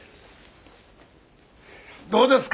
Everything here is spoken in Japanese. どうですか？